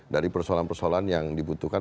dari persoalan persoalan yang dibutuhkan